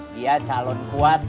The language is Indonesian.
dia calon kuat